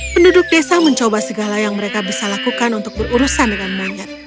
penduduk desa mencoba segala yang mereka bisa lakukan untuk berurusan dengan monyet